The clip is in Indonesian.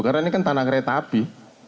karena ini kan tanah kereta api